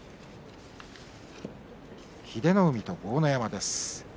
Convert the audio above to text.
英乃海と豪ノ山です。